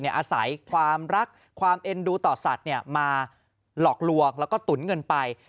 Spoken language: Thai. อาศัยความรักความเอ็นดูต่อสัตว์มาหลอกลวงแล้วก็ตุ๋นเงินไป